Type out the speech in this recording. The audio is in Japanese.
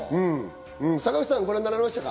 坂口さん、ご覧になられましたか？